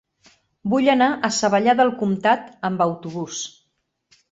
Vull anar a Savallà del Comtat amb autobús.